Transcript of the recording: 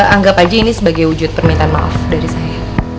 anggap aja ini sebagai wujud permintaan maaf dari saya